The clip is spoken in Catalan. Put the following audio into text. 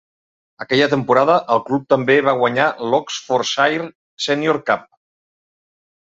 Aquella temporada, el club també va guanyar l'Oxfordshire Senior Cup.